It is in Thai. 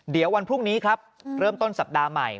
เดี๋ยววันพรุ่งนี้ครับเริ่มต้นสัปดาห์ใหม่